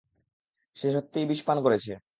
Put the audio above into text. সে সত্যিই বিষপান করেছে।